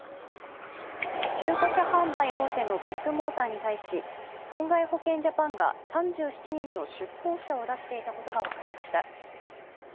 中古車販売大手のビッグモーターに対し損害保険ジャパンが３７人の出向者を出していたことが分かりました。